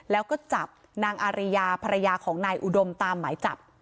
แล้วก็จับนางอาริยาภรรยาของนายอุดมตามหมายจับ